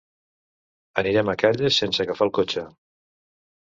Anirem a Calles sense agafar el cotxe.